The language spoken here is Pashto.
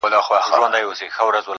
پر جبين باندې لښکري پيدا کيږي.